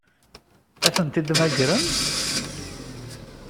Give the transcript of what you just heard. Ad tent-id-mmagren?